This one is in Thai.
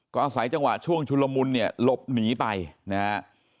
ก็อาศัยจังหวะช่วงชุลมุนเนี่ยหลบหนีไปนะฮะ